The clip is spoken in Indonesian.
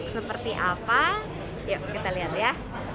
seperti apa yuk kita lihat ya